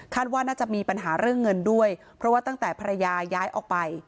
ว่าน่าจะมีปัญหาเรื่องเงินด้วยเพราะว่าตั้งแต่ภรรยาย้ายออกไป